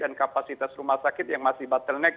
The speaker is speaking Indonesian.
dan kapasitas rumah sakit yang masih bottleneck